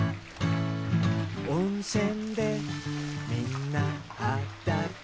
「おんせんでみんなはだか」